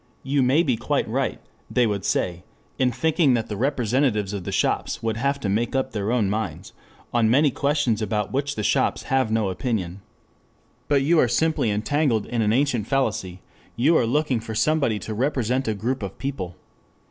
You may be quite right, they would say, in thinking that the representatives of the shops would have to make up their own minds on many questions about which the shops have no opinion. But you are simply entangled in an ancient fallacy: you are looking for somebody to represent a group of people.